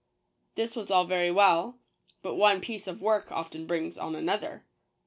Th is was all very well ; but one piece of work often brings on another.